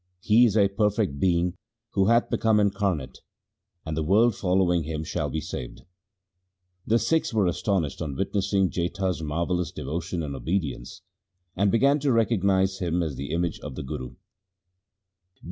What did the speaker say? He is a perfect being who hath become incarnate, and the world following him shall be saved '. The Sikhs were astonished on witnessing Jetha's marvellous devotion and obedience, and began to recognize him as the image of the Guru.